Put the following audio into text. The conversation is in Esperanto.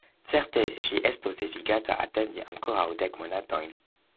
Certe ŝi estos devigata atendi ankoraŭ dek monatojn.